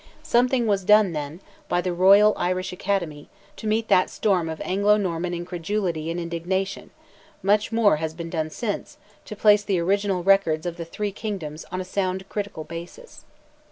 Something was done then, by the Royal Irish Academy, to meet that storm of Anglo Norman incredulity and indignation; much more has been done since, to place the original records of the Three Kingdoms on a sound critical basis.